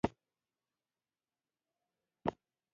احمد په نه خبره په غاړه کې را لوېږي.